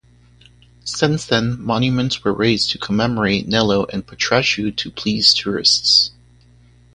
Since then, monuments were raised to commemorate Nello and Patrasche to please tourists.